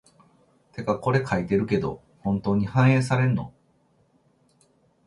てかこれ書いてるけど、本当に反映されんの？